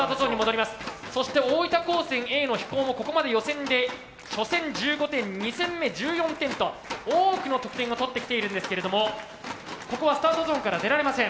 そして大分高専Ａの「飛煌」もここまで予選で初戦１５点２戦目１４点と多くの得点を取ってきているんですけれどもここはスタートゾーンから出られません。